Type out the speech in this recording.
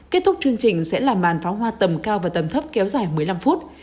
kết thúc chương trình sẽ là màn pháo hoa tầm cao và tầm thấp kéo dài một mươi năm phút